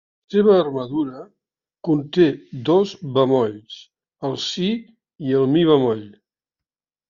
La seva armadura conté dos bemolls, el si i el mi bemoll.